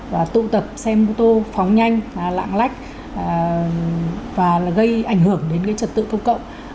và tụ tập xe mô tô phóng nhanh lạng lách và gây ảnh hưởng đến trật tự công cộng